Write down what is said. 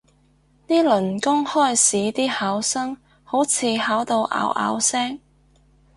呢輪公開試啲考生好似考到拗拗聲